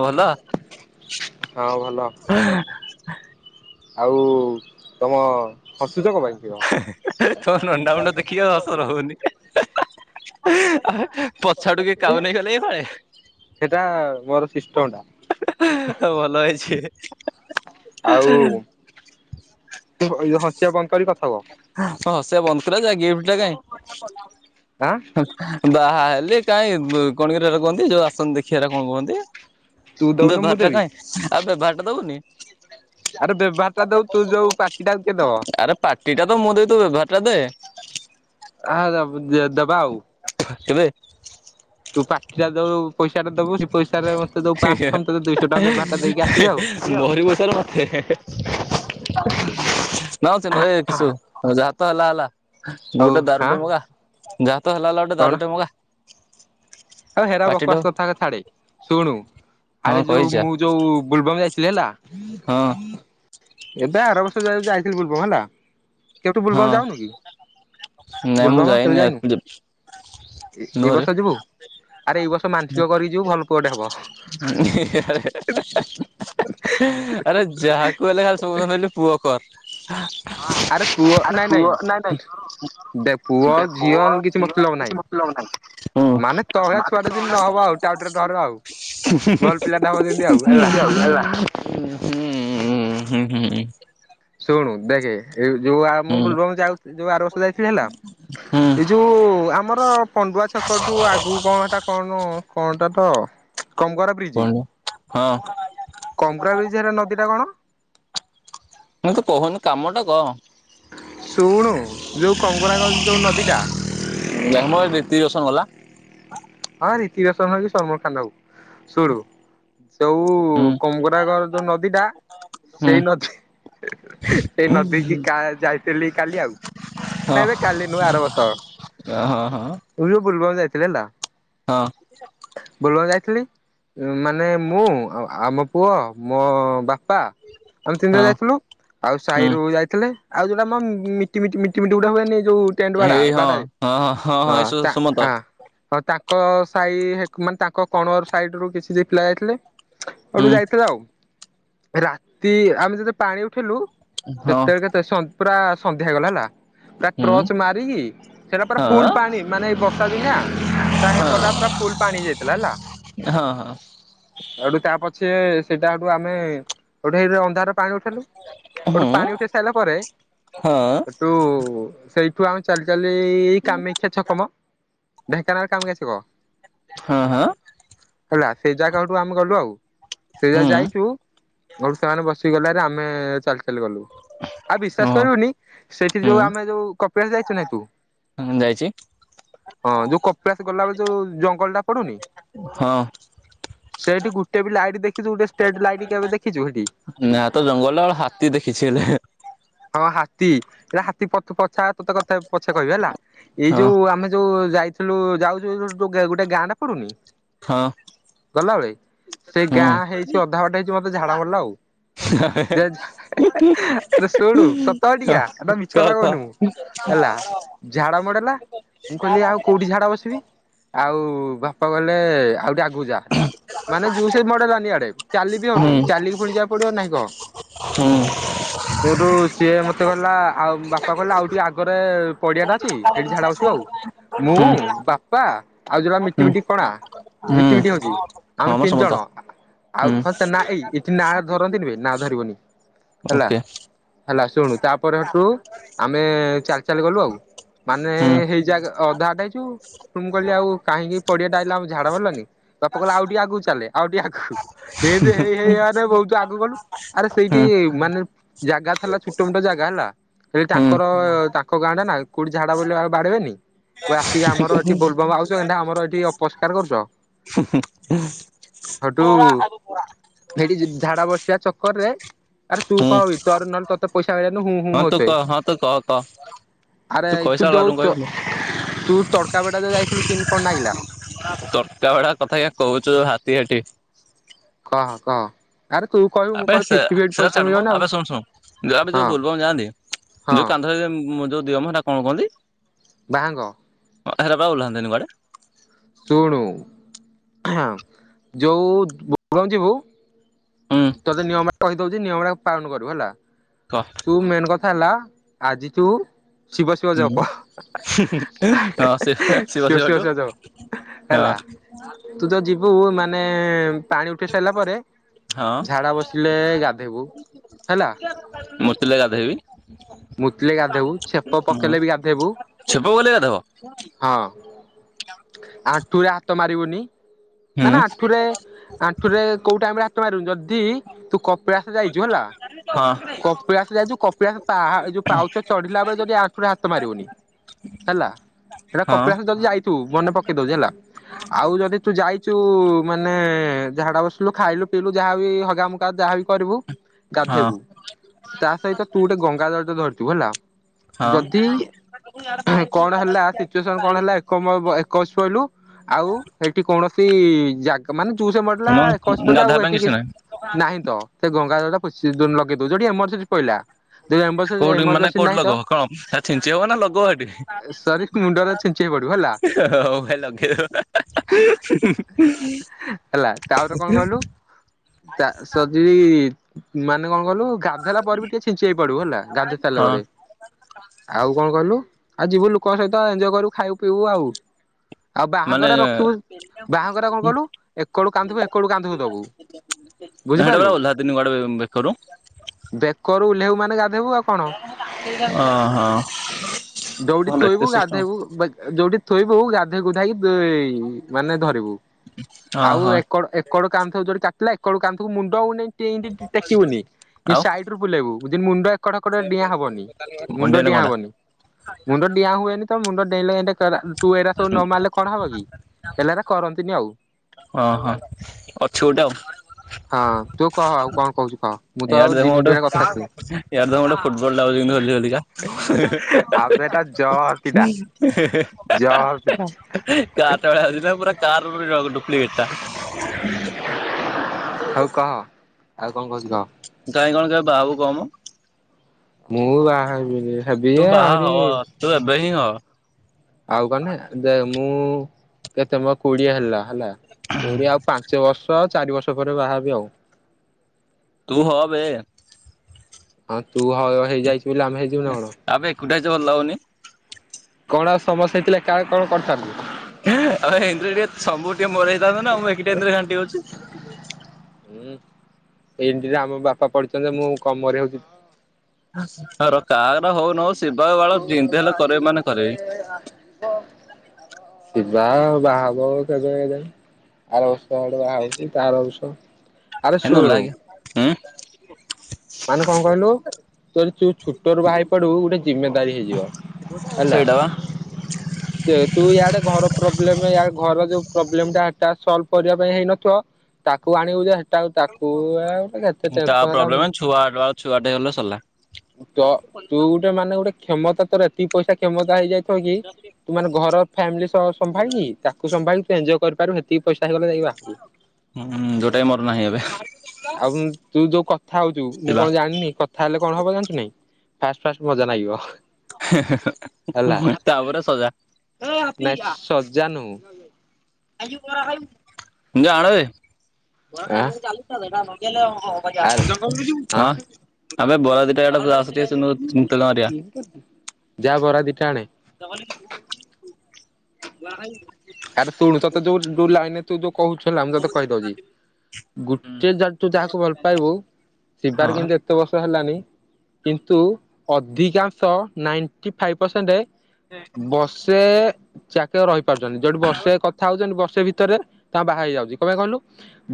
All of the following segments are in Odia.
ଆଉ ଭଲ? ହଁ ଭଲ ଆଉ ତମ ହସୁଛ କଣ ପାଇଁ କିଅ ତୋ ନଣ୍ଡା ମୁଣ୍ଡା ଦେଖିକି ଆଉ ହସରହୁନି। ପଛାଆଡୁ କି କାଉ ନେଇ ଗଲେ କି ଫାଳେ? ସେଟା ମୋର ସିଷ୍ଟମ ଟା। ହା, ଦ୍ଵା, ହା ଭଲ ହେଇଛି। ଆଉ ତୁ ଭଲ ହସିବା ବନ୍ଦକରିକି କଥା ହୁଅ। ହଁ ହସିଆ ବନ୍ଦ କରାଯାଏ ଗେମ୍ ଟା କାଇଁ? ଆଁ। ବାହା ହେଲେ କାଇଁ କଣ କିରେ ଏଭରା କୁହନ୍ତି ଯୋଉ ଆସନ୍ତି ଦେଖିବାଟା କଣ କୁଅନ୍ତି? ତୁ ଦଉନୁ ମୁଁ ବ୍ୟବହାର ଟା ଦେବି କାଇଁ ଆଉ ବ୍ୟବହାର ଟା ଦବୁନି? ଆରେ ବ୍ୟବହାର ଟା ଦଉ ତୁ ଯୋଉ ପାଟିଟାକୁ କିଏ ଦବ? ଏଇଟା ତ ମୁଁ ଦେବି ତୁ ବ୍ୟବହାର ଟା ଦେ? ଆ ଦେ ଦେବା ଆଉ। କେବେ? ତୁ ପାଟିଟା ଯୋଉ ପଇସାଟା ଦବୁ ସେ ପଇସାରେ ମତେ ଦବୁ ପାଆଁଶହ ଟଙ୍କା ତତେଦୁଇଶହ ଟଙ୍କା ବ୍ୟବହାରଟା ଦେଇକି ଆସିବି ଆଉ। ମୋହରି ପାଇସାରୁ ମତେ, ହେ, ହେ, ହେ ନଁଚ୍ ନଏ ଏପିସୋ ଯାହା ତ ହେଲା ହେଲା। ଆଉ ଗୋଟେ ହାଁ ଦାରୁଟେ ମଗା ଯାହା ତ ହେଲା ହେଲା ଗୋଟେ କଣ ଦାରୁଟେ ମଗା। ଆଉ ହେରା ପାଟିଟେ ହଉ ବକବାସ କଥା ହେରାଛାଡେ ଶୁଣୁ ହଁ ଆରେ ଯୋଉ କହିଯା ମୁଁ ଯୋଉ ବୁଲବମ ଯାଇଥିଲି ହେଲା ହଁ ଏବେ ଆର ବର୍ଷ ଯା ଯାଇଥିଲି ବୋଲବମ ହେଲା କେଉଠୁ ହଁ ବୁଲବମ୍ ଯାଉନୁ କି? ନାଇଁ ମୁଁ ବୋଲବମ କେବେ ଯାଇନି ଯାଇନୁ ଆକ୍ଚୁଆଲି ଏଇ ଏ ନୋରେ ବର୍ଷ ଯିବୁ? ଆରେ ଏଇ ବର୍ଷ ମାନସିକ କରି ଯିବୁ ଭଲ ପୁଅଟେ ହବ? ଆରେ ଯାହାକୁ ହେଲେ ଆଉ ସମସ୍ତେ କଇଲେ ପୁଅ କର। ଆରେ ପୁଅ ନାଇଁ ନାଇଁ ଦେ ପୁଅ ଝିଅ କିଛି ମତ ଲବ ନହିଁ। ମାନେ ତୋ ଭଳିଆ ମାନେ ଛୁଆ ଟା ଯେମିତି ତମେ ନହବ ଆଉ ଟାଉଟର ଟର ଆଉ ଭଲ ପିଲା ଟା ହବ ଯେମିତି ଆଉ। ହେଲା ହ ହୁଁ ହୁଁ ହୁଁ। ଶୁଣୁ ଦେଖେ ଏ ଯୋଉ ମୁଁ ବୋଲବମ୍‌ ଯାଉ ଯୋଉ ଆରବର୍ଷ ଯାଇଥିଲି ହେଲା। ଏଇ ଯୋଉ ଆମର ପଣ୍ଡୁଆ ଛକଠୁ ଆଗକୁ କଣଟା କଣ? କଅଁଟା ଥ କଙ୍ଗର କଣ ହଁ। କଙ୍ଗା ବିଜା ର ନଦୀ ଟା କଣ? ମୁଇଁ ତ କହୁନି କାମ ଟା କଣ? ଶୁଣୁ ଯେଉଁ କଙ୍ଗାର ଗର ପର ଯୋଗ ନଦୀଟା ଯାହା ମର ରିତିକ୍ଦୋଷନ୍‌ ଗଲା। ହଁ ରୀତି ଭିତିକ୍ରୋଷନ ବି ସମସ୍ତ [unintelligible] ଶୁଣୁ ଯୋଉ ହୁଁ କଙ୍ଗରା ଘର ଯୋଉ ନଦୀ ଟା ହୁଁ ସେଇ ନଦୀ ସେଇ ନଦୀ କିି ଯାଇଥିଲି କାଲି ଆଉ ହଁ ହଁ ନାଇବେ କାଲି ନୁହଁ ଆର ବର୍ ସହ ହଁ ମୁଁ ଯୋଉ ବୁଲବବ ଯାଇଥିଲି ହେଲା ହଁ। ବଲବସ ଯାଇଥିଲି ମାନେ ମୁଁ ଆମ ପୁଅ ମୋ ବାପା ପା ଆମେ ତିନି ଜଣ ହଁ ଯାଇଥିଲୁ ଆଉ ହୁଁ ସାହିରୁ ଯାଇଥିଲେ ଆଉ ଯୋଟା ଆମ ମିଟି ମିଟି ମିଟି ଉଡ଼ା ହୁଏନି ଯୋଉ ଟେଣ୍ଡ ବାାଡ଼ା ହେଇ ହଁ ବାଡାଏ ହଁ ହଁ ତା ସୁମନ୍ତ ହାଁ। ହଁ ତାଙ୍କ ସାଇ ହେକ୍ ମାନେ ତାଙ୍କ କଣର ସାଇଡ଼୍ ରୁ କିଛି ଦି ପିଲା ଯାଇଥିଲେ। ଅଠୁ ହୁଁ ଯାଇଥିଲା ଆଉ। ରାତି ଆମେ ଯେତେ ପାଣି ଉଠେଇଲୁ ହଁ ସେତେଳେ କେତେ ସ ପୁରା ସନ୍ଧ୍ୟା ହେଇଗଲା ହେଲା। ପୁରା ହୁଁ ଟର୍ଚ୍ଚ ମାରିକି ସେଟା ପୁରା ହଁ ଫୁଲ୍ ପାଣି ମାନେ ଏଇ ବର୍ଷା ଦିନିଆ ହଁ କଟା ପୁରା ଫୁଲ୍ ପାଣି ହେଇଯାଇଥିଲା ହେଲା। ହଁ ହଁ ଆ ଉଠୁ ତା ପଛେ ସେଇଟାଠୁ ଆମେ ଗୋଟେ ହେଇଠି ଅନ୍ଧାର ପାଣି ଉଠେଇଲୁ ହେଠୁ ହୁଁ ପାଣି ଉଠେଇ ସାଇଲା ପରେ ହଁ ହେଟୁ ସେଇ ଠୁ ଆମେ ଚାଲି ଚାଲି ଏ ଏଇ କାମାକ୍ଷା ଛକ ମ ଢେଙ୍କାନାଳ କାମାକ୍ଷା ଛକ। ହଁ ହଁ। ହେଲା ସେ ଜାଗାଠୁ ଆମେ ଗଲୁ ଆଉ। ସେ ଯାହା ହୁଁ ଯାଇଚୁ ଅଠୁ ସେମାନେ ବସିକି ଗଲେ ହାରି ଆମେ ଚାଲି ଚାଲି ଗଲୁ। ଆଉ ବିଶ୍ଵାସ ଓହୋ କରିବୁନି ସେଇଠି ଯୋଉ ଆମେ ଯୋଉ କପିଳାସ ଯାଇଚୁ ନାହିଁ ତୁ? ହୁଁ ଯାଇଚି। ଲା ବେଳେ ଯୋଉ ଜଙ୍ଗଲଟା ପଡ଼ୁନି? ହଁ। ସେଇଠି ଗୁଟେ ବି ଲାଇଟ୍ ଦେଖିଥିବୁ ଟେ ଷ୍ଟେଟ ଲାଇଟ୍ କେବେ ଦେଖଚୁ ହେଠି? ନାଁ ତ ଜଙ୍ଗ ଗଲା ବେଳେ ହାତୀ ଦେଖିଛି ହେଲେ। ହଁ ହାତୀ ଏରା ହାତୀ ପଥ କଛା ତତେ କଥେ ପଛେ କହିବି ହେଲା ଏଇ ହଁ ଯୋଉ ଆମେ ଯୋଉ ଯାଇଥିଲୁ ଯାଉଚୁ ଯୋଉ ଗୋଟେ ଗାଁଟା ପଡ଼ୁନି? ହଁ। ଗଲାବେଳେ ସେଇ ହୁଁ ଗାଁ ହେଇଚି ଅଧା ବାଟ ହେଇଚି ମତେ ଝାଡ଼ା ମଡ଼ିଲା ଆଉ। ଆରେ ଶୁଣୁ ସତ କ ଟିକା ଏଟା କ କ। [inaudible] ଝାଡ଼ା ମଡ଼େଇଲା ମୁଁ କହିଲି ଆଉ କୋଉଠି ଝାଡ଼ା ବସ୍ ହିବି ଆଉ ବାପା କହିଲେ ଆଉ ଟେ ଆଗକୁ ଯା। ମାନେ ଯୋଉ ସେ ମଡ଼େଇଲାନି ଆଡ଼େ ଚାଲି ବିି ହୁଁ ହଉନେଇ ଚାଲିକି ଫୁଣି ଯିବାକୁ ପଡ଼ିବ ନାଁ ନାହିଁ କହ। ହୁଁ ଏଉଠୁ ସିଏ ମତେ କହିଲା ଆଉ ବାପା କହିଲା ଆଉ ଟିକେ ଆଗରେ ପଡ଼ିଆଟା ଅଛି ସେଇଠି ଝାଡ଼ା ବସିବୁ ଆଉ ହୁଁ ମୁଁ ବାପା ଆଉ ଯୋଉଟା ମିଟି ହୁଁ ମିଟି କଣା ହୁଁ ମିଟି ମିଟି ହଉଚି ହଁ ଆମେ ମ ତିନି ସମତ ଜଣ। ଆଉ ହୁଁ ହଁ ତା ନାଁ ଏଇ ଏଠି ନାଁ ଧରନ୍ତିନି ବେ ନାଁ ଧରିବୁନି ହେଲା। ଓକେ ହେଲା ଶୁଣୁ ତାପରେ ହେଠୁ ଆମେ ଚାଲି ଚାଲି ଗଲୁ ଆଉ। ମାନେ ହୁଁ ହେଇ ଜାଗା ଅଧା ଆଟ ହେଇଚୁ ମୁଁ କହିଲି ଆଉ କାହିଁକି ପଡ଼ିଆଟା ଆଇଲା ଆମୁ ଝାଡ଼ା ମାଲାନି। ବାପା କଇଲେ ଆଉ ଟିକେ ଆଗୁକୁ ଚାଲେ ଆଉ ଟିଏ ଆଗୁ। ଏନ୍ତି ହେଇ ହେଇ ଆନେ ବହୁତୁ ଆଗୁ ଗଲୁ। ଆରେ ସେଇଠି ହୁଁ ମାନେ ଜାଗା ଥିଲା ଛୋଟ ମୋଟ ଜାଗା ହେଲା। ହେଲେ ହୁଁ ତାଙ୍କର ତାଙ୍କ ଗାଁଟା ନାଁ କୋଉଠି ଝାଡ଼ା ବଇଲେ ଆଉ ବାଡ଼େଇବେନି କବେ ଆସିକି ଆମର ଓ ଆଉଚ ଏଣ୍ଢା ଆମର ଏଠି ଅପରଷ୍କାର କରୁଚ। ହେଟୁ ଓରା ଆବୁ ପରା। ସେଇଠି ଝାଡ଼ା ବସିବା ଚକରରେ ଆରେ ତୁ ହୁଁ କହ ବି ତୋର ନହ ତତେ ପଇସା ଆଇଅନି ହୁଁ ହୁଁ ହଁ ତୁ ହଉଥୁଏ। କହ ହଁ ତୁ କହ କହ ଆରେ ତୁ କହିସାରିଲାରୁ ଦୋଉ ମୁଁ ତୋ କହିବିନି ତୁ ତଡ଼କା ବେଟା ଯା ଯାଇଥିଲୁ କିନ୍ତି କଁ ନାଗିଲା? ତରକା ବେଡ଼ା କଥା ୟା କହୁଚୁ ଯୋଉ ହାତୀ ହେଠି। କହ କହ। ଆରେ ତୁ କ ଆବେ ସେ ସେ ଛାଡ଼ ମ ଆବେ ଶୁଣ ଶୁଣ ଯୋଉ ଆବେ ଯୋଉ ହଁ ବୋଲବମ୍ ଯାଆନ୍ତି ହଁ ଯୋଉ କାନ୍ଧରେ ଯେ ଉଁ ଯୋଉ ଦିଅ ମ ହେଟା କଣ କୁହନ୍ତି?? ବାହାଙ୍ଗ। ଅ ହେରା ପା ଓଲ୍ହାନ୍ତିନି କୁଆଡ଼େ? ଶୁଣୁ ଯୋଉ ବୋ ଯିବୁ ହୁଁ ତୋତେ ନିୟମ ଟା କହିଦଉଛି ନିୟମ ଟା ପାଳନ କରିବୁ ହେଲା। କହ। ତୁ ମେନ୍ କଥା ହେଲା ଆଜି ତୁ ଶିବ ଶିବ ଜପ ହୁଁ ସେ ଶିବ ଶିବଠୁ ହ। ହେଲା ତୁ ତ ଯିବୁ ମାନେ ପାଣି ଉଠେଇ ସାରିଲା ପରେ ହଁ ଝାଡା ବସିଲେ ଗାଧେଇବୁ ହେଲା। ମୁତିିଲେ ଗାଧେଇବି। ମୁତିଲେ ଗାଧଇବୁ ଛେପ ହୁଁ ପକେଇଲେ ବି ଗାଧେଇବୁ। ଛେପ ଗଲେ ଗାଧବ ହଁ ଆଣ୍ଠୁରେ ହାତ ମାରିବୁନି। ହୁଁ ନା ନା ଆଣ୍ଠୁରେ ଆଣ୍ଠୁରେ କୋଉଟା ଆମ ହାତ ମାରିବୁ ଯଦି ତୁ କ କପିଳାସ ଯାଇଛୁ ହେଲା ହଁ। ହଁ କପିଳାସ ଯାଇଛୁ କପିଳାସ ପାହା ଯୋଉ ପାଉଚ ଚଢିଲା ବେଳେ ଯଦି ଆଣ୍ଠୁ ହାତ ମାରିବୁନି। ହେଲା ହେଲା କପିଳାସ ଯଦି ଯାଇଥିବୁ ମନେ ପକେଇ ଦଉଛି ହେଲା। ଆଉ ଯଦି ତୁ ଯାଇଛୁ ମାନେ ଝାଡା ବସିଲୁ ଖାଇଲୁ ପିଇଲୁ ଯାହାବି ହଗାମୁତା ଯାହାବି କରିବୁ ହଁ ଗାଧେଇବୁ ତା ସହିତ ତୁ ଗୋଟେ ଗଙ୍ଗା ଜଳଟେ ଧରିଥିବୁ ହେଲା। ହଁ ଯଦି କଣ ହେଲା ସିଚୁଏସନ କଣ ହେଲା? ଏକମ ଏକ ବଶିପଇଲୁ ଆଉ ସେଠି କୌଣସି ଜାଗା ମାନେ ଜୁସ ମଡିଲା ମ ଖସି ପଡିଲେ ଗାଧବା ଆଉ ପାଇଁ ଏଠି କିଛି ନାହିଁ। ନାହିଁ ତ ସେ ଗଙ୍ଗାଜଳଟା ଲଗେଇଦଉ ଯୋଠି ଏମରଜେନ୍ସି ପହିଲା। କୋଉଠି ମାନେ କୋଉଠି ଲଗ କଣ ଛିଞ୍ଚି ହବ ନା ଲଗ ସେଠି? ସରି ମୁଣ୍ଡରେ ଛିଞ୍ଚେଇ ପଡିବୁ ହେଲା ହଉ ଭାଇ ଲଗେଇ। ହେଲା ତାପରେ କଣ କହିଲୁ? ତା ସଜ ମାନେ କଣ କଲୁ ଗାଧୋଇଲା ପରେ ବି ଟିକେ ଛିଞ୍ଚେଇ ପଡିବୁ ହେଲା ଗାଧୁ ସାରୁଲା ହଁ ପରେ। ଆଉ କଣ କହିଲୁ ଆଉ ଯିବୁ ଲୋକଙ୍କ ସହିତ ଏଜୟ କରୁ ଖାଉ ପିଇବୁ ଆଉ। ଆଉ ମାନେ ବାହାଘରା ରଖିବୁ ବାହାଘରା କଣ କହିଲୁ ଏକଡୁ କାନ୍ଦଧିବୁ ଏକଡୁ କାନ୍ଦକୁ ଦବୁ। ନା ସେଇଟା ବା ବୁଝିପାରିଲୁ ଓଲାତିନି କୁଆଡୁ ବେକରୁ। ବେକରୁ ଓହ୍ଲେଇବୁ ମାନେ ଗାଧେଇବୁ ଆଉ କଣ ଓହୋ ଦଉଠି କଣ ଏତେ ଥୋଇବୁ ସିଷ୍ଟମ ଗାଧୋଇବୁ ଦଉଠି ଥୋଇବୁ ଗାଧୋଇ ଗୁଧାଇି ମାନେ ଧରିବୁ ଆଉ ଓହୋ ଏକଡ କଡ କାନ୍ଥ ଯୋ କାଟିଲା କଡ କାଧ ମୁଣ୍ଡ ହଉନ ଟେକିବୁନି ଆଉ ସାଇଡୁ ବୁଲେଇବୁ। ମୁଣ୍ଡ ଏକଟକଡ ଡିଆଁ ହବନି ମୁଣ୍ଡ ମୁଣ୍ଡିଆରେ ଡିଆଁ ହବନି ମୁଣ୍ଡ ଡିଆଁ ହୁଏନି ତ ମୁଣ୍ଡ ଡେଇଁ ତୁ ଏଇଟା ସବୁ ନ କଣଟା ମାରିଲେ କଣ ହବ କି ହେଲାଟା କରନ୍ତିନି ଆଉ। ଓହୋ ଅଛି ଗୋଟେ ଆଉ ହଁ ତୁ କହ ଆଉ କଣ କହୁଛୁ କହ? ମୁଁ ତ ଆଉ ଏଡ଼ ଦେ ଦି ମିନିଟ ମୋଠୁ ଭଳିଆ କଥା ଥିଲି। ୟାର ତ ଗୋଟେ ଫୁଟବଲ ଲାଉଛି କିୁ ହୋଲି ଆବେ ହଲିକା ଏଟା ଜଳ ହସ୍ତିଟା ହ [inaudible] ଜଳ ହସ୍ତିଟା। କାରଟ ଭଳିଆ ହଉଛି ନା ପୁରା କାର ହଉ ଡୁପ୍ଲିକେଟଟା କହ ଆଉ କଣ କହୁଛୁ କହ। କାଇଁ କଣ କାଇ ବାହାବକୁ କହ ମ ମୁଁ ବାହା ହେରବିନି ହେବି ତୁ ବାହା ଆହୁରି ହ ତୁ ଏବେ ହି ହ। ଆଉ କହନେ ଦେ ମୁଁ କେତେ ମୋର କୋଡିଏ ହେଲା ହେଲା। କୋଡିିଆ ଆଉ ପାଞ୍ଚ ବର୍ଷ ଚାରି ବର୍ଷ ପରେ ବାହାବି ଆଉ ତୁ ହ ବେ ହଁ ତୁ ହଉ ହେଇଯାଇଛୁ ବୋଲି ଆମେ। ହେଇଯିବୁ ନା କଣ? ଆମେ ଏକୁଟିଆ ଅଛି ଭଲ ଲଉନି। କଣ ସମସ୍ୟ ହେଇଥିଲା କା କଣ କରିଥା। ଆଉ ଏଇରେ ଟିକେ ସବୁ ଟିକେ ମରେଇଥାନ୍ତୁ ନା ମୁଁ ଏଇରେ ଘାଣ୍ଟି ହଉଛି ହୁଁ ଏମିତିରେ ଆମ ବାପା ପଢିଛନ୍ତି ମୁଁ କମରେଇ ହଉଛି କାହାରର ହଉନଉ ଶିବା ବାଳ ଯେତି ହେଲେ କରବେ ମାନେ କରହେ। ଶିବା ଆଉ ବାହାଘର କେବେ ଏଜାଣି ଆର ବର୍ଷ ଆଡକୁ ବାହା ହଉଛି ତାର ଆରବର୍ଷ ଆରେ ଶୁଣୁ ହଁ ମାନେ କଣ କହିଲୁ ତୋର ଛୋଟ ରୁ ବାହା ପଡିବୁ ଗୋଟେ ଜିମେଦାରି ହେଇଯିବ। ସେଇଟା ବା ସେ ତୁ ଇଆଡେ ଘର ପ୍ରୋବ୍ଲେମ ଘର ଯୋଉ ପ୍ରୋବ୍ଲେମ ଟା ସଲଭ କରିବା ପାଇଁ ହେଇନଥିବ ତାକୁ ଆଣିବୁ ଯେ ହେଟା ଆ ତାକୁ ଆଉ ଗୋଟେ କେତେ ତା ଟେନସନ୍ ଆର ପ୍ରୋବ୍ଲେମ ଛୁଆ ଛୁଆଟେ ହେଲେ ସରିଲା ତ ତୁ ଗୋଟେ ମାନେ ଗୋଟେ କ୍ଷମତା ତୋର ଏତିକି ପଇସା କ୍ଷମତା ହେଇଯାଇ ତୁ ମାନେ ଘର ଫ୍ୟାମିଲି ସହ ସମ୍ଭାଳି ତାକୁ ସମ୍ଭାଳି ତୁ ଏଞଜୟ କରିପାରୁ ଟିକେ ପଇସା ହେଇଗଲେ ଯାଇକି ବାହାବୁ ହୁଁ ଯୋଉଟା କି ମୋର ନାହିଁ ଏବେ ଆଉ ତୁ ଯୋଉ କଥା ହଉଛୁ ମୁଁ ଶିବା କଣ ଜାଣିନି କଥା ହେଲେ କଣ ହବ ଜାଣିଛୁ ନାଇଁ ଫାଷ୍ଟ ଫାଷ୍ଟ ମଜା ଲାଗିବ ହେଲା ହେଁ ତାପରେ ସଜା ନାଇଁ ସଜା ନୁ ଣ [unintelligible] ଆଁ ଆରେ ହଁ ଆମ ବରା ଦିଟା ଏଟା ଆସି ଯା ବରା ଦିଟା ଆଣେ [unintelligible] ଆରେ ଶୁଣୁ ତତେ ଯୋଉ ଯୋଉ ଲାଇନ ତୁ ଯୋଉ କହୁଚୁ ମୁଁ ତତେ କହିଦଉଛି ଗୋଟେ ଜା ତୁ ଯାହାକୁ ଭଲ ପାଇବୁ ହଁ ଶିବାର କିନ୍ତୁ ବର୍ଷ ହେଲାଣି କିନ୍ତୁ ଅଧିକାଂଶ ନାଇଣ୍ଟି ଫାଇଭ୍ ପରସେଣ୍ଟ ବର୍ଷେ ଚାକେ ରହିପାରୁଛନ୍ତି ଯୋଠି ବଷେ କଥା ହଉଛନ୍ତି ବଷେ ଭିତରେ ଭିତରେ ତା ବାହା ହେଇଯାଉଛି କମେ କହିଲୁ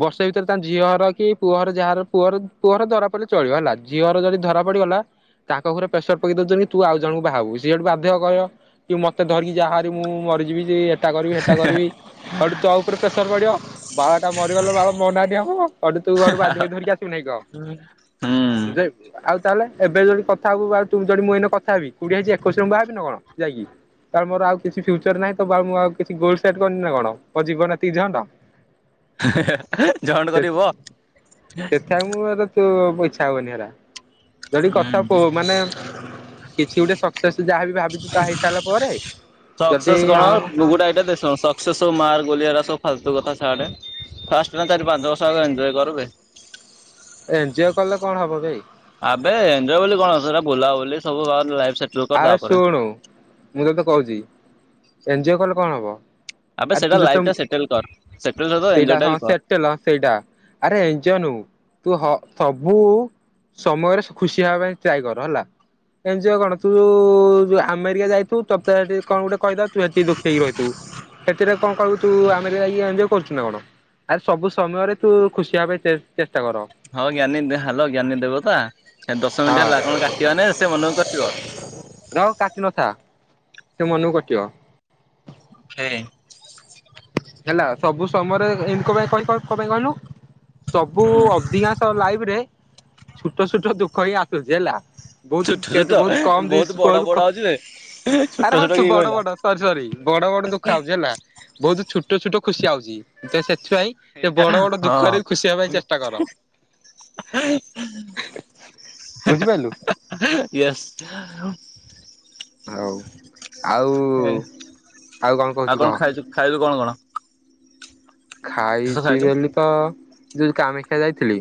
ବର୍ଷ ଭିତରେ ତା ଝିଅ ହର କି ପୁଅର ଯାହାର ପୁଅର ପୁଅର ଧରା ପିଲେ ଚଳିବ ହେଲା ଝିଅର ଯଦି ଧରା ପଡିଗଲା ତାଙ୍କ ଘରେ ପ୍ରେସର ପକେଇ ଦଉଛନ୍ତି ତୁ ଆଉ ଜଣଙ୍କୁ ବାହାବୁ ସିଏ ହେଠୁ ବାଧ୍ୟ କହିବ କି ମତେ ଧରିକି ଯାହାରି ମୁଁ ମରିଯିବି ଯେ ଏଟା କରିବି ହେଟା କରିବି ଆଡ ତଉ ଉପରେ କ ସର ପଡ଼ଆ ବାଳ ଟା ମରିଗଲେ ବ ବାଳ ମନାହାନ୍ତି ହବ ଅଠୁ ତୁ ଘଡୁ ବାଧ୍ୟ ହୋଇ ଧରିକ ଆସିବୁାଇଁହ ହୁଁ ବଝାଇପୁ ଆଉ ତାହେଲେ ଏବେ ଯଦି କଥା ହବ ଯି ମୁଁଇନ କଥା ହେବି କୋଡିଏ ହେଇଛି ଏକୋଇଶରେ ମୁ ବାହାବି ନା କଣ ଯାଇକି ତାାର ମୋର ଆଉ କିଛି ଫ୍ୟୁଚର ନାହିଁ ତ ମୁଁ ଆଉ କିଛି ଗୋଲଟ୍ ନା କଣ କଉ ଯିବ ନାତିିଝଣ୍ଟା ଝଣ୍ଡ କରିବ ସେଥିପାଇଁ ମୁଁ ଏ ତୁ ପଇଛା ହବନି ହେରା ଯଦ କଥା କହୁ ମାନେ କିଛି ଗୋଟେ ସକ୍ସେସ୍ ଯାହାବ ଭାବିଛୁ ତାହା ହେଇସାରିଲା ପରେ ଯଦି ହଁ [unintelligible] ସ ସବୁ ମାର୍ ଗୁଲିଆ ସବୁ ଫାଲତୁ କଥା ସଛଆଡ଼େ ଫାଷ୍ଟଟ ନା ଚାରି ପାଞ୍ଚ ବର୍ଷ ଆ ଏଞଜୟ କରବେ। ଏଞ୍ଜୋଅୟ୍ କଲେ କଣ ହବ ବେ? ଆବେ ଏଜୟ ବୋଲି କଣଟ ବୁଲାବୁଲି ସବୁ ଲାଇଫି ଆରେ ଶୁଣୁ ମୁଁ ତତେ କହୁଛି ଏନଜିଓ କହିଲ କଣ ହବ? ଆବେ ଆରେ ତୁ ସେଇଟା ଲାଇଫ୍ ଯେତେ ଟା ସେଟେଲ କର ସେଟେଲ ଏଜୟ ସେଇଟା ଟା ହଁ ବି କର। ସେଟେଲ ସେଇଟା ଆରେ ଏଜନୁ ତୁ ସବୁ ସମୟରେ ଖୁସି ହେବା ପାଇଁ ଟ୍ରାଏ କର ହେଲା ଏ କଣ ତୁ ଯଉ ଆମେରିକା ଯାଇଥୁ ତେ ସେଠି କଣ ଗୋଟେ କହିଦ ତୁ ସେଠି ଦୁଖ ହେକି ରହିଥିବୁ। ସେଥିରେ କଣ କୁ ତୁ ଆମେ ଯାଇକି ଏଞ୍ଜୟ କରୁଛୁ ନାଁ କଣ? ଆରେ ସବୁ ସମୟରେ ତୁ ଖୁସି ହବା ପାଇଁ ଚେଷ୍ଟା କର। ହଁ ଜ୍ଞାନୀ ହାଲୋ ଜ୍ଞାନୀ ଦେବତା ଦଶ ମିନିଟ୍ ହେଲା କଣ କାଟିବାନା ସେ ମନୁକୁ କଟିବ? ରହ କଟିନଥା ସେ ମନକୁ କଟିବ। ହେ। ହେଲା ସବୁ ସମୟରେ ଏମିତି କ ପାଇଁ କ ପାଇଁ କହିଲୁ? ସବୁ ହୁଁ। ଅଧିକାଂଶ ଲାଇଫ ରେ ଛୋଟ ଛୋଟ ଦୁଃଖ ହିଁ ଆସୁଛି ହେଲା। ବହୁତ ଛୋଟ ଛୋଟ ବହୁତ କମ ବହୁତ ଜିନିଷ ବଡ କିଲୁ ବଡ ଅଛି ଯେ ଛୋଟ ଆରେ ଛୋଟ ହଉଛି କିଏ ବଡ କହିଲା। ବଡ ସରି ସରି ବଡ ବଡ ଦୁଃଖ ଆଉଛି ହେଲା ବହୁତ ଛୋଟ ଛୋଟ ଖୁସି ଆଉଛି ସେ ସେଥିପାଇଁ ସେ ଏଇଟା ବଡ ବଡ ଦୁଃଖରେ ବି ହଁ ଖୁସି ହେବା ପାଇଁ ଚେଷ୍ଟା କର। ବୁଝିପାରିଲୁ? ଈଏସ୍। ହଉ ଆଉ ଆଉ କଣ କହୁଛୁ କହ? ଖାଇଲୁ କଣ କଣ? କିସ ଖାଇଛି ଖାଇଲୁ ବୋଲି ତ ଯୋଉ କାମାଖିଆ ଯାଇଥିଲି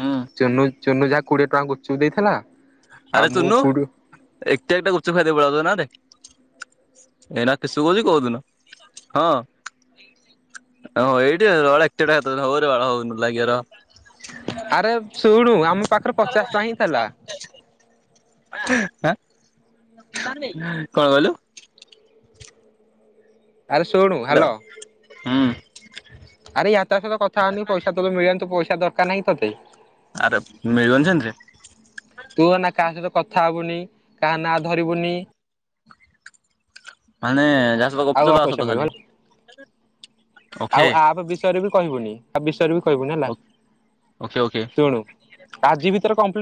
ହୁଁ ଚୁନୁ ଚୁନୁ ଯାହା କୋଡିଏ ଟଙ୍କା ଗୁପୁଚୁପୁ ଦେଇଥିଲା। ଆଉ ଆରେ ମୁଁ ତୁନୁ କୋଉଠୁ ଏକଟା ଏକଟା ଗୁପୁଚୁପୁ ଖାଇଦେଇ ପଳିଆଉଚ ନାରେ? ଏଇନା କିସୁ କହୁଛି କୋଉଦିନ ହଁ ଓ ଏଇଠିଳ ଏକଟାଟା ହଉରେ ବାଳ ହଉନ ଲାଗିରହ। ଆରେ ଶୁଣୁ ଆମ ପାଖରେ ପଚାଶ ଟଙ୍କା ହିଁ ଥିଲା [unintelligible] ଆ କଣ କହିଲୁ? ଆରେ ଶୁଣୁ? ହ୍ୟାଲୋ ହୁଁ। ଆରେ ୟା ତା ସହିତ କଥା ହଉନୁ ପଇସା ତତେ ମିଳନ୍ତୁ ପଇସା ଦରକାର ନାହିଁ ତତେ? ଆରେ ମିଳିବନି ସେମିତି? କୁହ ନାଁ କାହା ସହିତ କଥା ହବୁନି କାହା ନା ଧରିବୁନି ମାନେ ଯା ସହିତ ଆଉ ଗପୁଚ ତା ପଇସା ସହିତ ମିଳିବ ଖାଲି ହେଲା ଓକେ। ବିଷରେ ବି କହିବୁନି ଆଉ ବିଷୟରେ ବି କହିବୁନି ହେଲା ଓକେ ଓକେ ଶୁଣୁ ଆଜି ଭିତରେ କମ୍ପି